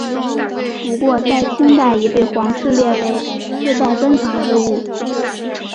不过在清代已被皇室列为世代珍藏之物。